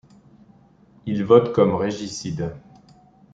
Il vote comme régicide.